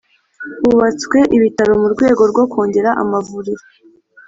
Hubatswe ibitaro mu rwego rwo kongera amavuriro